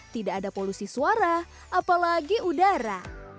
tidak ada polusi suara apalagi udara